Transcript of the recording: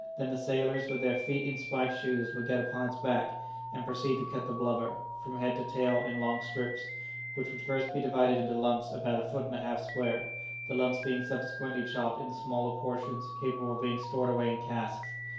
Then the sailors with their feet in spiked shoes would get upon its back and proceed to cut the blubber, from head to tail, in long strips, which would first be divided into lumps about a foot and a half square, the lumps being subsequently chopped into smaller portions capable of being stored away in casks.